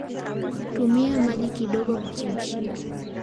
Tumia maji kidogo kuchemshia